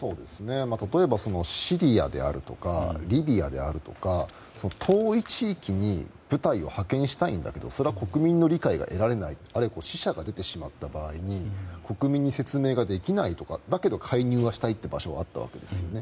例えば、シリアであるとかリビアであるとか遠い地域に部隊を派遣したいんだけどそれは国民の理解が得られないあるいは死者が出てしまった場合に国民に説明ができないとかだけど介入はしたいという場所はあったわけですね。